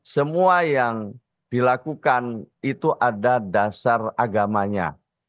semua yang dilakukan itu ada dasar agamanya